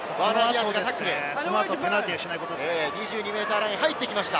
２２ｍラインに入ってきました。